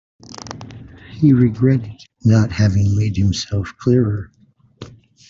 He regretted not having made himself clearer.